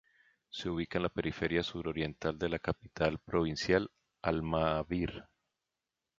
Se ubica en la periferia suroriental de la capital provincial Armavir.